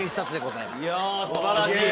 いや素晴らしい。